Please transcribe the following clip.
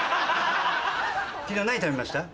昨日何食べました？